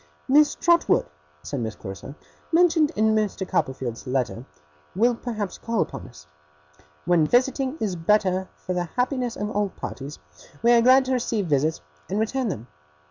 'Miss Trotwood,' said Miss Clarissa, 'mentioned in Mr. Copperfield's letter, will perhaps call upon us. When visiting is better for the happiness of all parties, we are glad to receive visits, and return them.